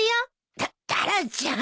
タタラちゃん。